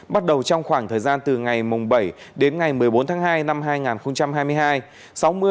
bắt đầu trong khoảng thời gian từ ngày bảy đến ngày một mươi bốn tháng hai năm hai nghìn hai mươi hai